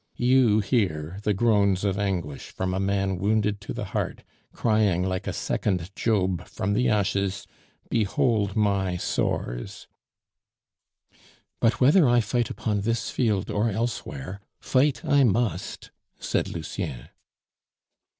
You hear the groans of anguish from a man wounded to the heart, crying like a second Job from the ashes, 'Behold my sores!'" "But whether I fight upon this field or elsewhere, fight I must," said Lucien.